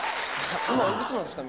今お幾つなんですか？